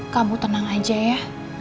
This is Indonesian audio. kamu tenang aja ya